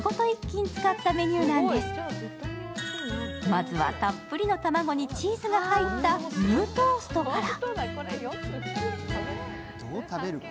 まずは、たっぷりの卵にチーズが入ったムートーストから。